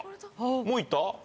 もう行った？